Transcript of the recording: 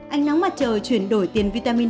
anh nắng mặt trời chuyển đổi tiền vitamin a